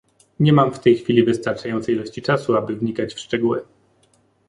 Nie mam w tej chwili wystarczającej ilości czasu, aby wnikać w szczegóły